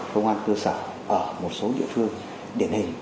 công an cơ sở ở một số địa phương điển hình